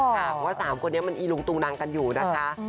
เพราะว่า๓คนนี้มันอีลุงตุงนังกันอยู่นะคะ